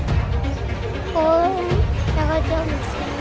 tao coi chơi không